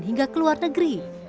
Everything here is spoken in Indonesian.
hingga ke luar negeri